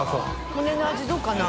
骨の味どうかな？